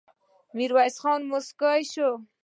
ميرويس خان موسک شو.